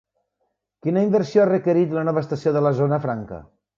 Quina inversió ha requerit la nova estació de la Zona Franca?